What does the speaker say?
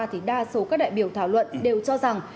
thì đa số các đại biểu thảo luận đều cho rằng